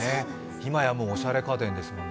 いまや、おしゃれ家電ですもんね。